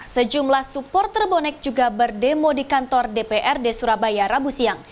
sejumlah supporter bonek juga berdemo di kantor dprd surabaya rabu siang